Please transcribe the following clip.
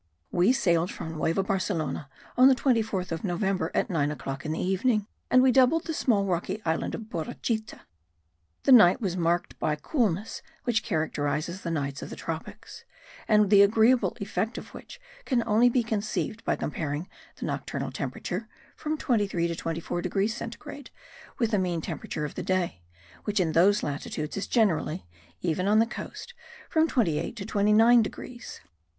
We sailed from Nueva Barcelona on the 24th of November at nine o'clock in the evening; and we doubled the small rocky island of Borachita. The night was marked by coolness which characterizes the nights of the tropics, and the agreeable effect of which can only be conceived by comparing the nocturnal temperature, from 23 to 24 degrees centigrade, with the mean temperature of the day, which in those latitudes is generally, even on the coast, from 28 to 29 degrees.